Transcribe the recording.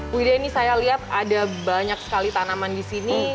bu ida ini saya lihat ada banyak sekali tanaman disini